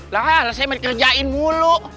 saya merekerjakan mulu